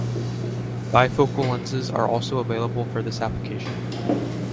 Bifocal lenses are also available for this application.